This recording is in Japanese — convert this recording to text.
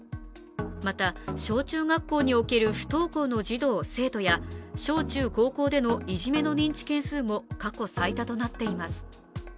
また小中高校における不登校の児童・生徒や小中高校でのいじめの認知件数も過去最多となっています。